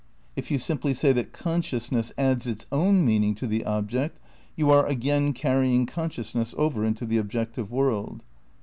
If you simply say that consciousness adds its own meaning to the object you are again carrying consciousness over into the ob jective world.